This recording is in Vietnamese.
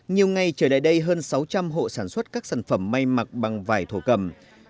nhiều ngày trở lại đây hơn sáu trăm linh hộ sản xuất các sản phẩm may mặc bằng vải thổ cầm